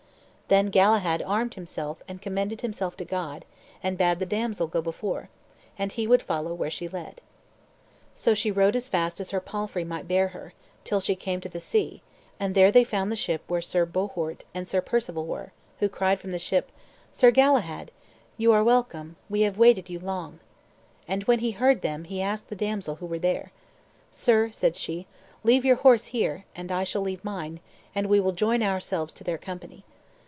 Then Galahad armed himself and commended himself to God, and bade the damsel go before, and he would follow where she led. So she rode as fast as her palfrey might bear her, till she came to the sea; and there they found the ship where Sir Bohort and Sir Perceval were, who cried from the ship, "Sir Galahad, you are welcome; we have waited you long." And when he heard them, he asked the damsel who they were. "Sir," said she, "leave your horse here, and I shall leave mine, and we will join ourselves to their company."